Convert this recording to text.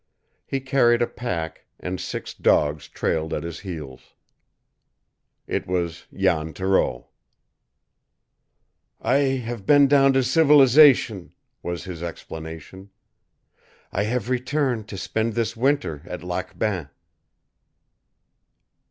He carried a pack, and six dogs trailed at his heels. It was Jan Thoreau. "I have been down to civilization," was his explanation. "I have returned to spend this winter at Lac Bain."